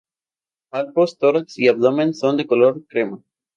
Palpos, tórax y abdomen son de color crema.